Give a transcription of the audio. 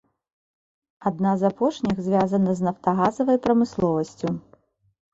Адна з апошніх звязана з нафтагазавай прамысловасцю.